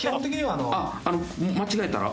あっ間違えたら？